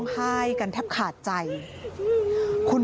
ปี๖๕วันเช่นเดียวกัน